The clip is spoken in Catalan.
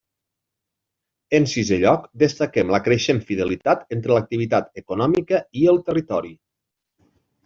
En sisé lloc, destaquem la creixent fidelitat entre l'activitat econòmica i el territori.